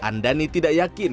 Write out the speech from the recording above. andani tidak yakin